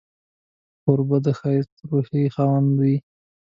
کوربه د ښایسته روحيې خاوند وي.